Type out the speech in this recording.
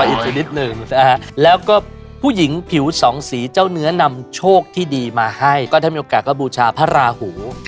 อีกสักนิดหนึ่งนะฮะแล้วก็ผู้หญิงผิวสองสีเจ้าเนื้อนำโชคที่ดีมาให้ก็ได้มีโอกาสก็บูชาพระราหู